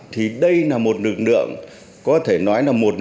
thì đây là một lực lượng có thể nói là một lực lượng